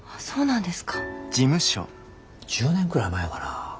１０年くらい前かな